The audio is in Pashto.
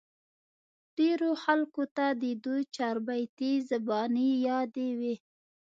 ډېرو خلقو ته د دوي چاربېتې زباني يادې وې